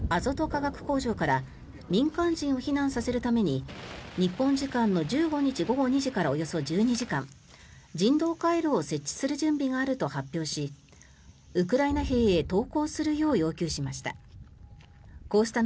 化学工場から民間人を避難させるために日本時間の１５日午後２時からおよそ１２時間、人道回廊を設置する準備があると発表しウクライナ兵へ投降するよう要求しました。